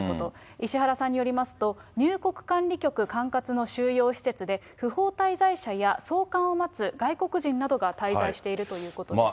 石原さんによりますと、入国管理局管轄の収容施設で、不法滞在者や送還を待つ外国人などが滞在しているということです。